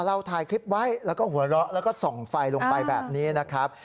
เราถ่ายคลิปไว้แล้วก็หัวเราะแล้วก็ส่องไฟลงไปแบบนี้นะครับ